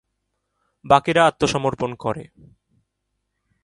বাকিরা আত্মসমর্পণ করে।